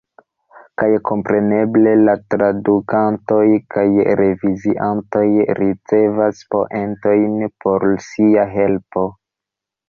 Kaj, kompreneble, la tradukantoj kaj reviziantoj ricevas poentojn por sia helpo.